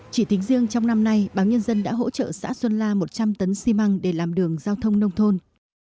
chỉ tính riêng trong năm nay báo nhân dân đã hỗ trợ xã xuân la một trăm linh tấn xi măng để làm đường giao thông nông thôn